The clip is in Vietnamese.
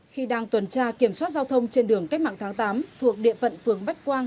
khi đang tuần tra kiểm soát giao thông trên đường cách mạng tháng tám thuộc địa phận phường bách quang